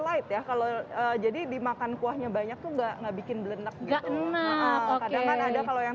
light ya kalau jadi dimakan kuahnya banyak tuh enggak bikin belenak gak enak oke ada kalau yang